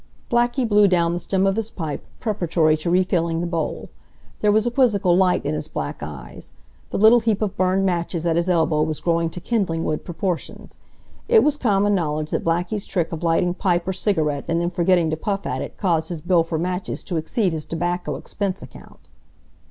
Blackie blew down the stem of his pipe, preparatory to re filling the bowl. There was a quizzical light in his black eyes. The little heap of burned matches at his elbow was growing to kindling wood proportions. It was common knowledge that Blackie's trick of lighting pipe or cigarette and then forgetting to puff at it caused his bill for matches to exceed his tobacco expense account.